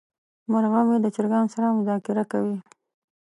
مرغه مې د چرګانو سره مذاکره کوي.